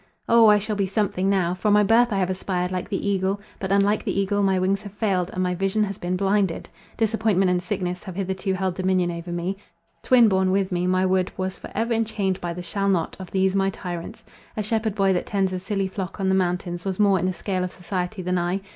"O, I shall be something now! From my birth I have aspired like the eagle —but, unlike the eagle, my wings have failed, and my vision has been blinded. Disappointment and sickness have hitherto held dominion over me; twin born with me, my would, was for ever enchained by the shall not, of these my tyrants. A shepherd boy that tends a silly flock on the mountains, was more in the scale of society than I.